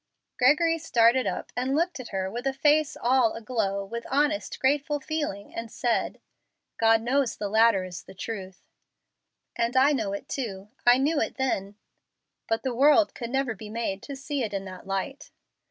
Gregory started up and looked at her with a face all aglow with honest, grateful feeling, and said, "God knows the latter is the truth." "And I know it too. I knew it then." "But the world could never be made to see it in that light."